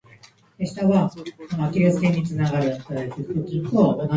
どうしてだろう、新しい傘を初めて使った日って、どこかに忘れてきがちだ。